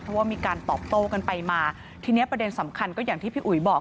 เพราะว่ามีการตอบโต้กันไปมาทีนี้ประเด็นสำคัญก็อย่างที่พี่อุ๋ยบอก